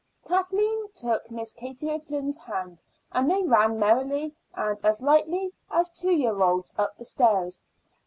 Kathleen took Miss Katie O'Flynn's hand, and they ran merrily and as lightly as two year olds up the stairs.